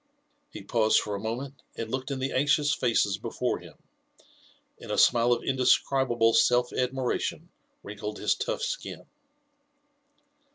*^ He paused for a moment, and looked in the anxious faces before hini; and a smile of indescribable self admiration wrinkled /his tough skin.